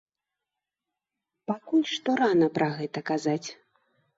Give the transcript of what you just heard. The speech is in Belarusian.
Пакуль што рана пра гэта казаць.